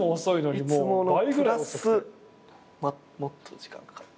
いつものプラスもっと時間かかって。